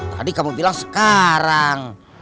tadi kamu bilang sekarang